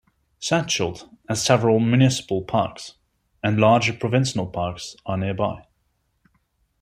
Sechelt has several municipal parks, and larger provincial parks are nearby.